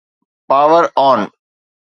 power on